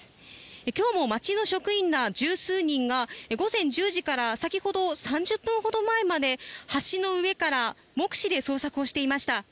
今日も町の職員ら十数人が午前１０時から先ほど３０分ほど前まで橋の上から目視で捜索をしていました。